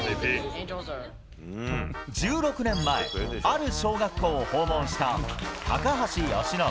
１６年前、ある小学校を訪問した高橋由伸。